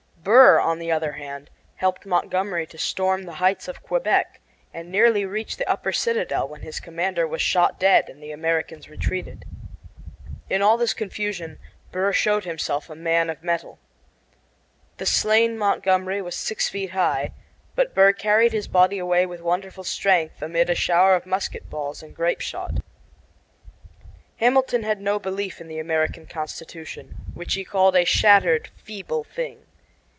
Burr, on the other hand, helped Montgomery to storm the heights of Quebec, and nearly reached the upper citadel when his commander was shot dead and the Americans retreated. In all this confusion Burr showed himself a man of mettle. The slain Montgomery was six feet high, but Burr carried his body away with wonderful strength amid a shower of musket balls and grape shot. Hamilton had no belief in the American Constitution, which he called "a shattered, feeble thing."